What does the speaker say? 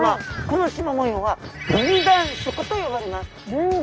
このしま模様は分断色と呼ばれます。